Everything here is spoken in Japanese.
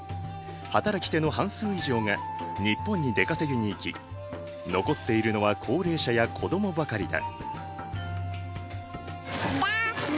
働き手の半数以上が日本に出稼ぎに行き残っているのは高齢者や子供ばかりだ。